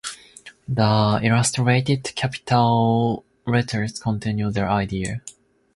The illustrated capital letters continue the idea.